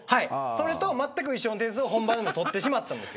それとまったく同じ点数を本番でも取ってしまったんです。